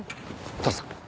どうぞ。